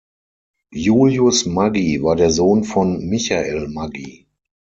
Julius Maggi war der Sohn von Michael Maggi.